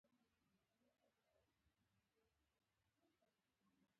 ایا د ورځې خوب کوئ؟